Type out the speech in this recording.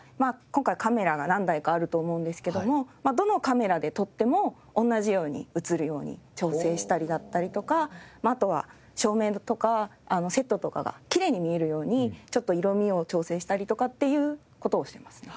今回カメラが何台かあると思うんですけどもどのカメラで撮っても同じように映るように調整したりだったりとかあとは照明とかセットとかがきれいに見えるようにちょっと色味を調整したりとかっていう事をしてますね。